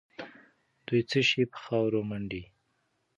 دوی څه شي په خاورو منډي؟